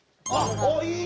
あっいい。